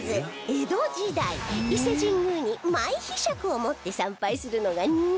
江戸時代伊勢神宮にマイ柄杓を持って参拝するのが人気に